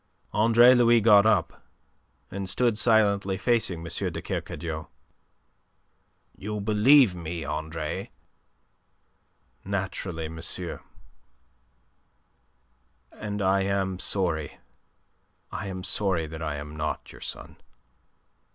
Andre Louis got up, and stood silently facing M. de Kercadiou. "You believe me, Andre." "Naturally, monsieur; and I am sorry, I am sorry that I am not your son."